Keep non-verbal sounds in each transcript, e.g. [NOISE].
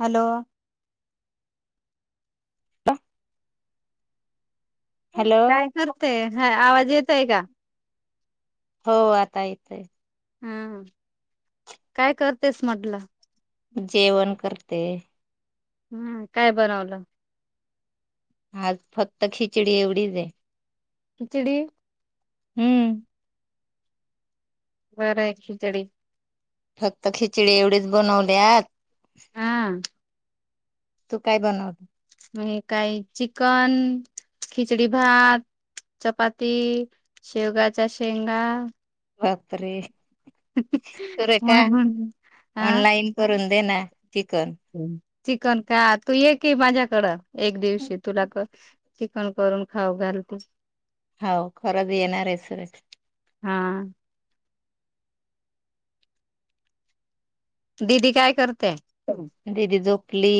Hello का [INAUDIBLE] काय करतेय हा आवाज येतोय का हो आता येतोय हा काय करतेस म्हटलं जेवण करते हम काय बनवलं आज फक्त खिचडी एवढीच हे. खिचडी. हम. बरं आहे खिचडी. फक्त खिचडी एवढीच बनवल्या आ हम्म. तू काय बनवल? मी काय चिकन, खिचडी भात, चपाती शेवगाच्या शेंगा. बापरे! हं हं. सुरेखा मग हा. देना चिकन चिकन का तू ये की माझ्याकडं. एक दिवशी तुला चिकन करून खाऊ घालती. हो खरंच येणार आहे सुरेखा. हा. दिदी काय कर [INAUDIBLE] दिदी झोपली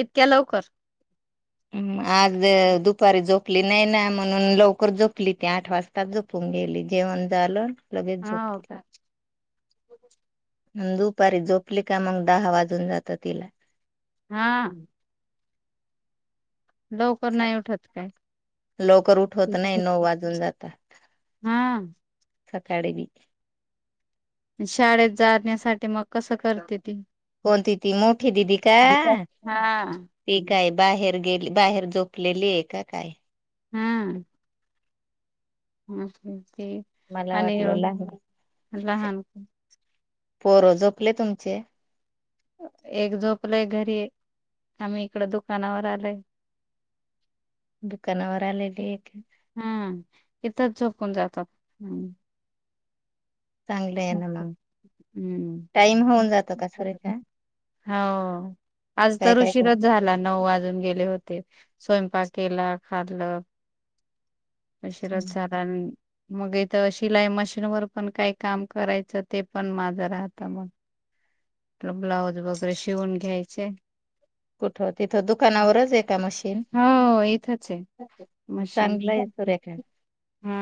इतक्या लवकर? हम्म, आज दुप दुपारी झोपली नाही ना, म्हणून लवकर झोपली ती, आठ वाजता झोपून गेली, जेवण झालं? लगेच हा, हो झोपली. का [INAUDIBLE] दुपारी झोपली का मग दहा वाजून जातं तिला. हा. लवकर नाही उठत काय लोकर उठवत नाही, नऊ वाजून जातात. हा. सकाळीबी. शाळेत जाण्यासाठी मग कसं? करते ती, कोणती ती मोठी दिदी का? हा ती काय. बाहेर गेली, बाहेर झोपलेली आहे की काय? हा. मा मला आणि वाटलं लहान लहान. पोरं झोपले तुमचे? एक झोपलय घरी, आम्ही इकड दुकानावर आलय. दुकानावर आले की एक. हा इथंच झोपून जातात. चांगलं आहे ना मग, हम्म टाईम होऊन जातो का? सुरेखा हाव आज काय तर काय कर उशीरच झाला, नऊ वाजून गेले होते स्वयंपाक केला, खाल्ल उशीरच झाला आणि मग इथ शिलाई मशीन वर पण काय काम करायचं ते पण माझं राहत मग ब्लाऊज वगैरे शिवून घ्यायचे कुठं? तिथं दुकानावरच एक मशीन? हो इथंच आहे मशीन चांगलं आहे हा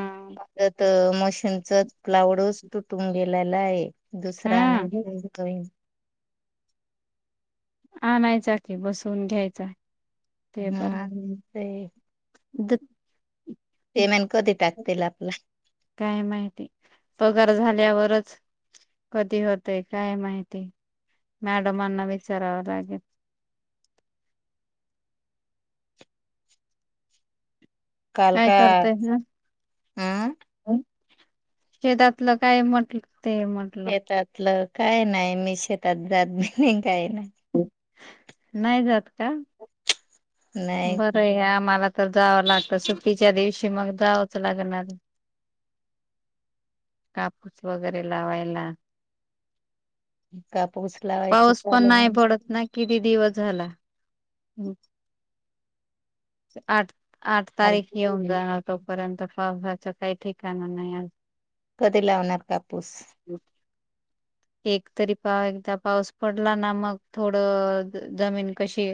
त मशीनचा प्लायवूडूच तुटून गेलेला आहे दुसरा हा नाही आणायचा की बसवून घ्यायचा हा ते द पमेंट. काय माहिती पगार झाल्यावरच. कधी होतय काय माहिती मॅडमांना विचारावा लागेल. काय कालकाय करतय ना हम् शेतातलं काय म्हटलं. ते म्हटलं शेतातलं काय नाही मी शेतात जात नाही. काही नाही. नाही जात का. नाही बरं आहे आम्हाला तर जावं लागत सु्टीच्या दिवशी मग जावंच लागणार कापूस वगैरे लावायला. कापूस लावायचे पाऊस पण चालू नाही पडत ना किती दिवस झाला. आठ आठ तारीख झाले येऊन जाणार तोपर्यंत. पावसाचा काय ठिकाणा नाही अजू कधी लावणार कापूस. एक तरी पा एकदा पाऊस पडला ना मग थोड जमीन कशी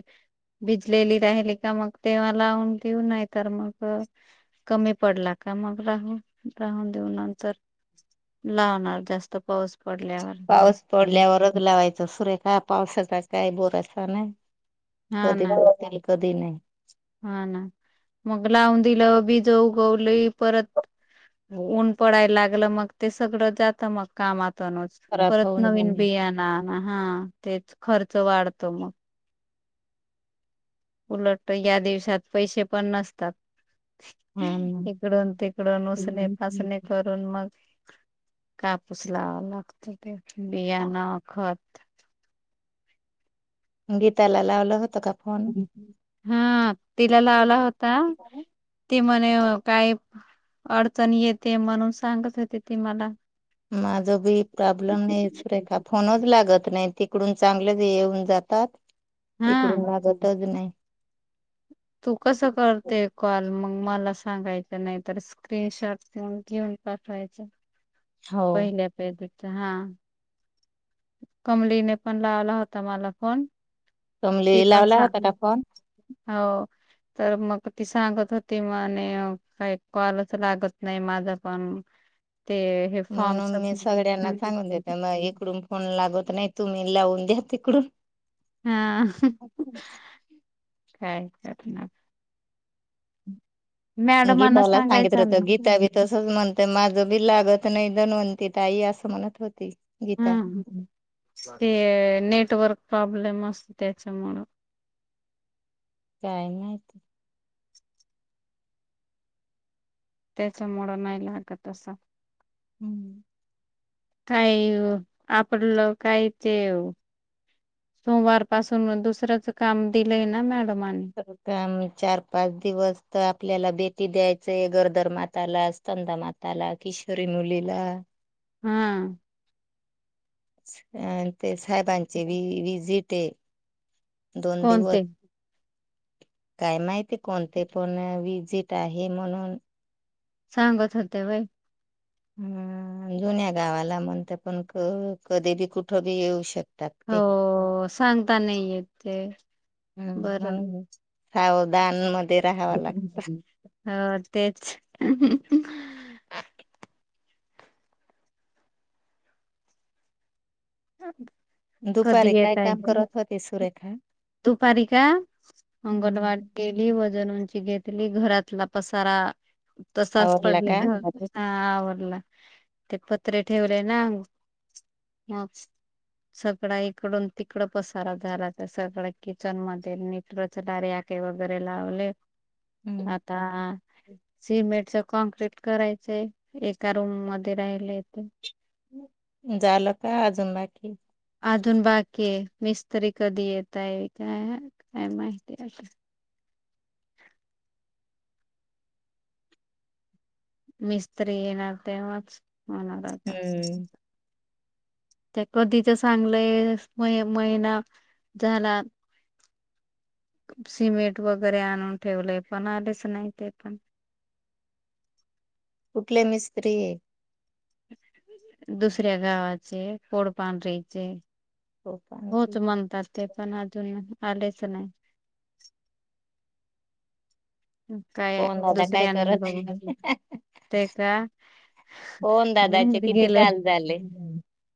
भिजलेली राहिली का मग तेव्हा लावून देऊ नाही तर मग कमी पडला का मग राहू राहून देऊ नंतर लावणार जास्त पाऊस पडल्या पाऊस पडल्यावरच लावायच सुरेखा पावसाचा काही बोरासा नाही. हा कधी ना पडेल कधी नाही. हा ना. मग लावून दिलं, बिज उगवली, परत ऊन पडायला लागलं, मग ते सगळं जात मग कामात तुनच खराब परत होऊन नवीन जाईल बिया आणा. हा हा. तेच खर्च वाढतो मग. उलट या दिवसात पैसे पण नसतात. हा ना. इकडून तिकडून उसने पासने करून मग कापूस लावाव लागतोय, बियाणं, खत गीताला लावलं होतं का फोन [UNINTELLIGIBLE] हा. तिला लावला होता. ती म्हण काही काय अडचण येते म्हणून सांगत होते ती मला माझं बी प्रॉब्लेम नाही सुरेखा फोनच लागत नाही तिकडून चांगले येऊन जातात हा. इकडून लागतच नाई. तू कस करते कॉल मग मला? सांगायच नाही तर स्क्रीनशॉटन घेऊन पाठवायच. हो पहिल्या [UNINTELLIGIBLE] हा. कमलीने पण लावला होता मला फोन. कमली ती पण लावला होता सांग का फोन? हो तर मग ती सांगत होती मणे काही कॉलच लागत नाही माझ पण. ते हे फॉर्म म्हणून मी सबमिट सगळ्यांना सांगून देते मग इकडून फोन लागत नाही तुम्ही लावून द्या तिकडून. हा. काय करनार. गीताला सांगितलं होत गीता बी तसच म्हणत माझं बी लागत नाही. धणवंती ताई असं म्हणत होती. गीता हम हा. ते नेट टवर्क प्रॉब्लेम असतेच्यामुळं. काय माहीत? त्याच्यामुळं नाही लागत असंल. हम्म. काही आपलं काही ते सोमवार पाासून दुसऱच काम दिलंय ना मॅडम तर काम चार पाच दिवस तर आपल्याला बेटी द्यायचय गर्दर माताला स्कंदा माताला किशोरी मुलीला हा अ तेच साहेबांचे विजिटे दोन दिवस कोणते [INAUDIBLE] काय माहिती कोणते पण विजिट आहे म्हणून सांगत होते व्हय हम्म जुन्या गावाला म्हणल पण क कधी बी कुठं बी येऊ शकत हो सांगता नाही येत ते [INAUDIBLE] बरं दानमध्ये [INAUDIBLE] हो तेच हम कधी दुपारी काय बेत आहे काम करत होते सुरेखा? [INAUDIBLE] दुपारी का अंगनवाडी हम्म केली बंद जणूंची घेतली घरातला पसारा. तसाच आवरला का? पडलेलं हां आवरला ते पत्रे ठेवलेय ना मग सगळ इकडून तिकड पसारा झाला त्या सगळ्या किचन मध्ये नीट [UNINTELLIGIBLE] वगैरे लावले. हम्म आता सिमेंटच कॉनक्रीट करायचंय एका रूम मध्ये राहिलंय ते. झालं का अजून नाही? अजून बाकी आहे. मिस्त्री कधी येतय काय काय माहिती आता. मिस्त्री येणार तेव्हाच होणार आता हम्म ते कधीच सांगलय मे महिना झाला सिमेंट वगैरे आणून ठेवलंय पण आलेच नाही ते पण कुठले मीस्त्री आहे दुसऱ्या गावाचे पोडपांढरीेचे हो का? आणखी होच म्हणतात ते. पण अजून आलेच नाही. काय पवन दादा काय दुसऱ्यांना करत बघू आहे? ते का पवन दादाचे बाहिर किती गेले काल झाले?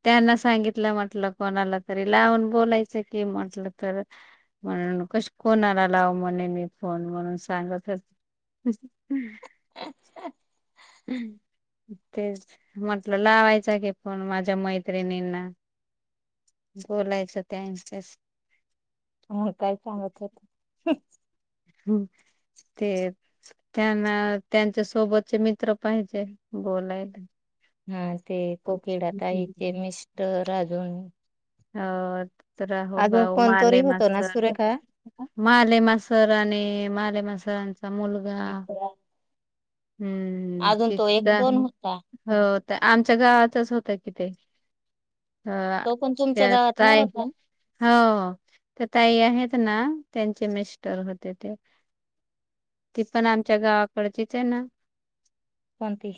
त्यांना सांगितलं म्हटलं कोणाला तरी लावून बोलायचं कि म्हटलं तर म्हणून कस कोणाला लाव म्हणे मी फोन म्हणून सांगत. [INAUDIBLE] [INAUDIBLE] तेच म्हटलं लावायच की फोन माझ्या मैत्रिणींना बोलायचं त्यांच्याशी हम्म काय सांगत होत ते त्यांना त्यांच्या सोबतचे मित्र पाहिजे बोलायला. हां ते कोकिडा ताईचे मिस्टर अजून हो राहुल अजून भाऊ माले कोणतरी होतं ना मासर सुरेखा? माले मासर आणि माले मासर आणि मुलगा हम्म अजून तो एक कोण तिथं होता? हो आमच्या गावातच होतं कि ते. हां तो पण तुमच्या तेयात गावातला काय होता ना? हो ते ताई आहेत ना त्यांचे मिस्टर होते ते. ती पण आमच्या गावाकडची. त्यांना कोणती.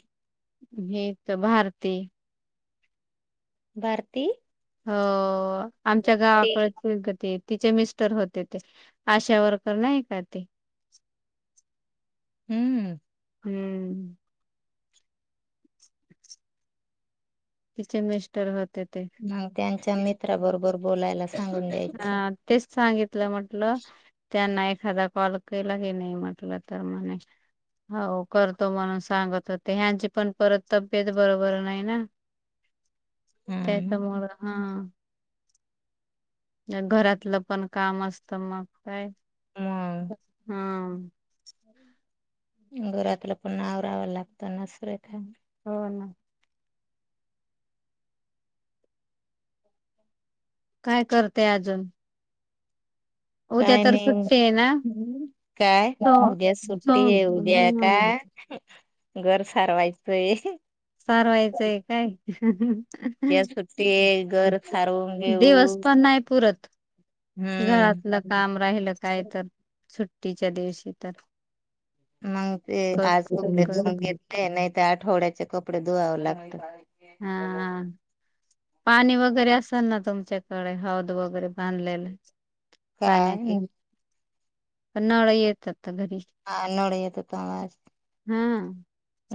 हे त भारती भारती हो आमच्या ते गावाकडची क ती. तिचे मिस्टर होते ते आशा वर्कर नाही का ते. हम्म हम्म तिचे मिस्टर होत मग त्यांच्या मित्राबरोबर बोलायला सांगीन. हा तेच सांगित ल म्हटलं त्यांना एक खादा कॉल केला की नाही म्हटलं तर म्हणे हो करतो म्हणून सांगत होते ह्यांची पण परत तब्येत बरोबर नाही ना हम्म त्याच्यामुळ हा घरातलं पण काम असत मग काय मग हम घरातलं पण आवराव लागतं ना सुरेखा. हो ना. काय करते अजून. उद्या काय तर सुट्टी आहे ना नाही काय हो. उद्या सो सुट्टी आहे उद्या काय घर सारवायचंय. सारवायचंय काय. उद्या सुट्टी आहे घर सारवून घेऊ दिवस पण नाही पुरत. हम्म घरातलं काम राहिलं काय तर सुुट्टीच्या दिवशी तर मग ते कर आज कपडे कर धुऊन घेते नाही त आठवड्या चे कपडे धुवावं लागतात. हा पाणी वगैरे असल ना तुमच्या कडे हौद वगैरे बांधलेली [UNINTELLIGIBLE] पण नळं येतात घरी हा नड येतो तवाच हा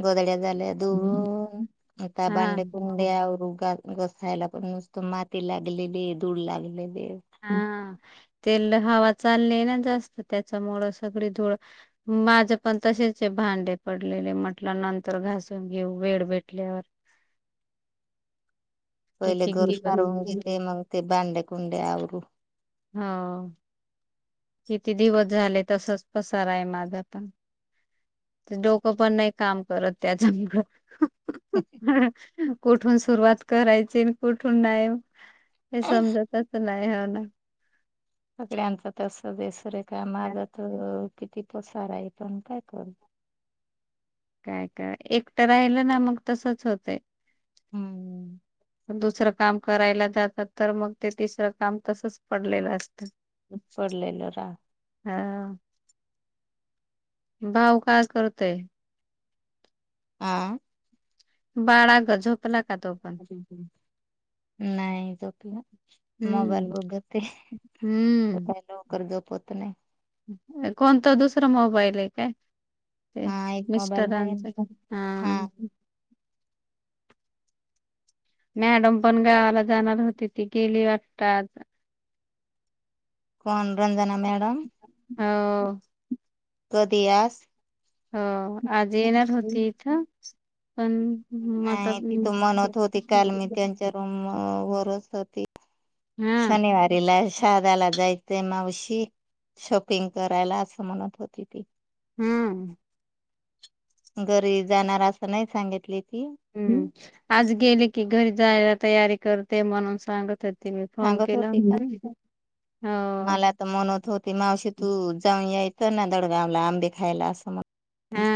गोधड्या झाल्या धुवून आता हा भांडीकुंडी आवरू घसायला पण नुसत माती लागलेली धूळ लागलेली हा तेल हवा चालीय ना जास्त त्याच्यामुळं सगळी धूळ माझ पण तसेच आहे भांडे पडलेले म्हटलं नंतर घासून घेऊ वेळ भेटल्यावर पहिल किती घर दिवस सारवून घेते मग ते भांडे कुंडे आवरू हो किती दिवस झाले तसच पसारा आहे माझा आता ते डोकं पण नाही काम करत त्याच्या मूळ [UNINTELLIGIBLE] कुठून सुरुवात करायची न कुठून नाही हे समजतच नाही ह [INAUDIBLE] सगळ्यांच तस बेसूर आहे कामा गत अ किती पसारा आहे पण काय करू काय काय एकटं राहिलं ना मग तसच होतंय हम्म दुसरं काम करायला जात तर मग ते तिसरं काम तसच पडलेलं असत तसंच पडलेलं राहत [INAUDIBLE] भाऊ काय करतोय? [UNINTELLIGIBLE] बाळा ग झोपला का तो पण? नाही झोपला हम्म मोबाईल बघतेय हम्म सकाळी लवकर झोप होत नाही कोणता दुसरा मोबाईल आहे काय ते हा एक मोबाईल आहे मिस्टरांचा घेऊन. हा मॅडम पण गावाला जाणार होती, ती गेली वाटतं आज. कोण रंजना मॅडम. ह कधी आज. हा. आज येणार होती इथं. पण मटर नाही तिथ म्हणत होती, काल मी त्यांच्या रूम वरच होती. हा शनिवारीला शाळेत. मला जायचय मावशी शॉपिंग करायला असं म्हणत होती ती. हम घरी जाणार असं नाही सांगितली. ती हम आज गेली की घरी जायला तयारी कर. ते म्हणून सांगत होती. मी फोन सांगत केला होती का होता ना हो मला तर म्हणवत होती मावशी तू जाऊन याय. चल नादेडगाव ला आंबे खायला असं म्हणत. हा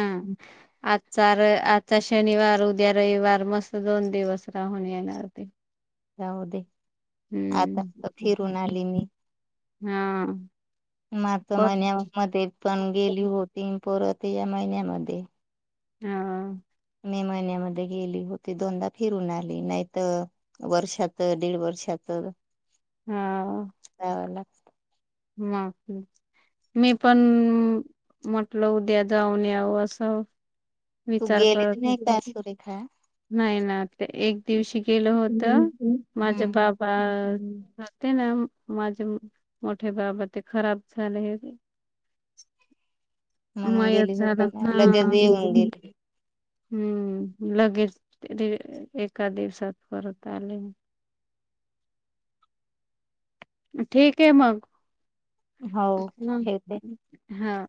आजचार आचा शनिवार. उद्या रविवार मस्त दोन दिवस राहून येणार ते. जाऊ दे आता हम्म तर फिरून आली मी. हा. मार्च पण महिन्या मध्ये पण गेली होती. परत या महिन्यामध्ये. हम्म. मे महिन्यामध्ये गेली होती दोनदा फिरून आली नाहीत वर्षाच दीड वर्षाच. त्याला. [INAUDIBLE] म मी पण म्हटलं उद्या जाऊन याव असं. तू विचार गेले तर करत नाही होत का सुरेखा नाही ना एक दिवशी गेलं होत माझ हम्म बाबा होते ना. माझे मो हे बाबा ते खराब झालेय. म्हणून गेली होती का लगेच येऊन गेली. हम्म लगेच एका दिवसात परत आलीन. ठीक आहे मग. हो ठेवते हा.